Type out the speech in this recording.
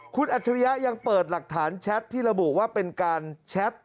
คุณอัจฉริยะยังเปิดหลักฐานแชทที่ระบุว่าเป็นการแชท